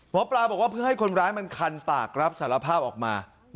หมอปลาบอกว่าเพื่อให้คนร้ายมันคันปากรับสารภาพออกมา